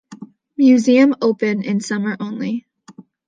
Museum open in summer only.